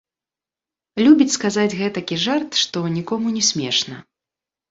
Любіць сказаць гэтакі жарт, што нікому не смешна.